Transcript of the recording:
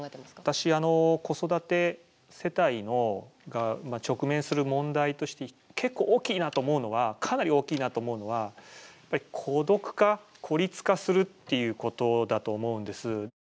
私、子育て世帯が直面する問題として結構大きいなと思うのはかなり大きいなと思うのはやっぱり、孤独化孤立化するっていうことだと思うんです。